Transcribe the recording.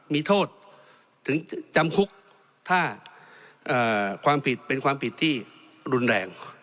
มีโทษถึงจำคุกถ้าความผิดเป็นความผิดที่รุนแรง